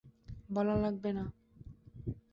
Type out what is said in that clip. বলা লাগবে না।